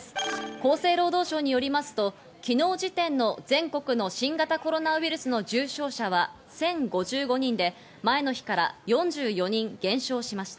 厚生労働省によりますと昨日時点の全国の新型コロナウイルスの重症者は１０５５人で、前の日から４４人減少しました。